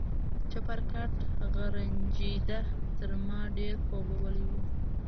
چپرکټ غرنجېده، تر ما ډېر خوبولی و.